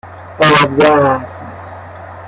آزرم